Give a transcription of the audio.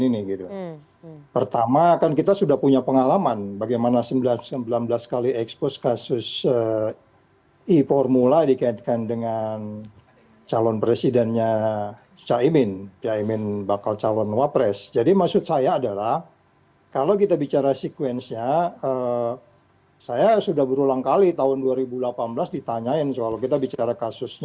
nah kita akan menjelaskan bahwa mereka itu tidak politik